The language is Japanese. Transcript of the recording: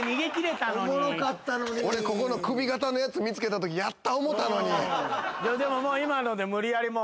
俺ここの首形のやつ見つけたときやった思うたのに。